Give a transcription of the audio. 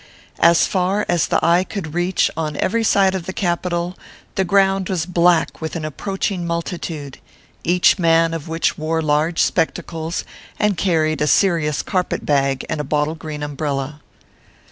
As far as the eye could reach on every side of the Capital, the ground was black with an approaching multitude,, each man of which wore large spectacles,, and carried a serious carpet bag and a bottle green umbrella.